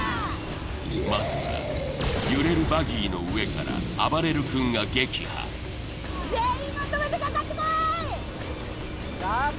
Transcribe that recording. まずは揺れるバギーの上からあばれる君が撃破全員まとめてかかってこい！